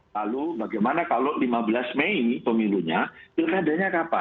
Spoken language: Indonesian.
lalu bagaimana kalau lima belas mei pemilunya pilkadanya kapan